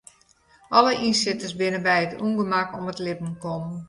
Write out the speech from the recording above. Alle ynsitters binne by it ûngemak om it libben kommen.